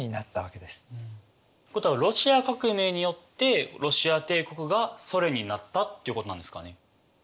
っていうことはロシア革命によってロシア帝国がソ連になったっていうことなんですかね？